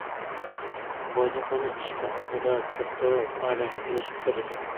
باجخانا ئىشىكى ئالدىدا بىر توپ ئادەم كۈلۈشۈپ تۇرىدۇ.